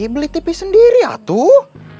beli tv sendiri atuh